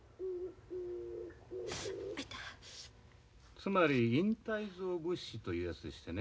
・つまり隠退蔵物資というやつでしてね。